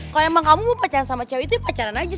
kalau emang kamu mau pacaran sama cewek itu ya pacaran aja